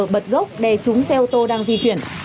bật gốc đè trúng xe ô tô đang di chuyển